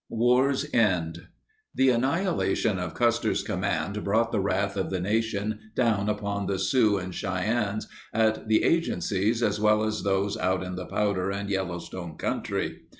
War's End The annihilation of Custer's command brought the wrath of the nation down upon the Sioux and Cheyennes at the agencies as well as those out in the Powder and Yellowstone country.